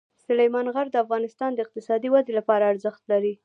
سلیمان غر د افغانستان د اقتصادي ودې لپاره ارزښت لري.